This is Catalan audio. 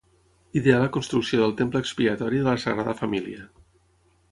Ideà la construcció del Temple Expiatori de la Sagrada Família.